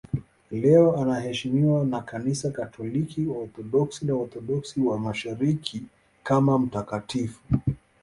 Leo anaheshimiwa na Kanisa Katoliki, Waorthodoksi na Waorthodoksi wa Mashariki kama mtakatifu.